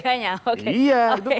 wah tega teganya oke